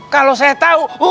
kalau saya tahu